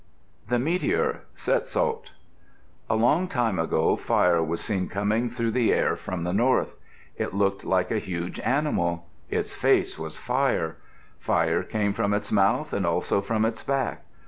THE METEOR (?) Tsetsaut A long time ago fire was seen coming through the air from the north. It looked like a huge animal. Its face was fire. Fire came from its mouth and also from its back.